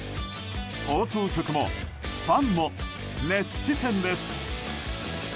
放送局も、ファンも熱視線です。